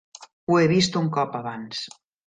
Ho he vist un cop abans.